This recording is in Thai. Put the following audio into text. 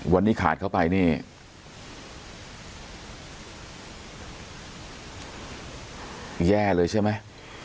วันนี้ขาดเข้าไปนี่แย่เลยใช่ไหม